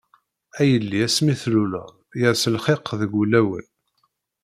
A yelli asmi tluleḍ, yers lxiq deg wulawen.